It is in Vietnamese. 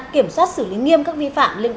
kiểm soát xử lý nghiêm các khu vực